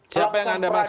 siapa yang anda maksud